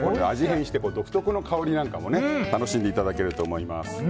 変して独特の香りなんかも楽しんでいただけると思います。